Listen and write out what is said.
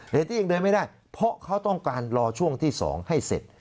เหตุที่ยังเดินไม่ได้เพราะเขาต้องการรอช่วงที่๒ให้เสร็จ